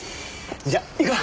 じゃあ行くわ。